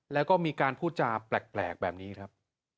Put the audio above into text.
แล้วก็มีการพูดจาแปลกแบบนี้ครับ